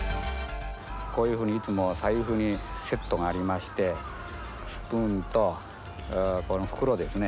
こういうふうにいつも財布にセットがありましてスプーンとこの袋ですね。